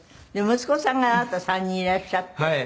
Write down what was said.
息子さんがあなた３人いらっしゃって。